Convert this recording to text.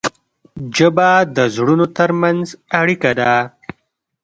ژبه د زړونو ترمنځ اړیکه ده.